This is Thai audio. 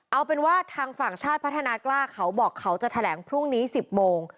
เอาเป็นว่าทางฝั่งชาติพัฒนากล้าเขาบอกเขาจะแถลงพรุ่งนี้๑๐โมง